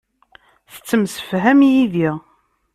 Tettemsefham yid-i.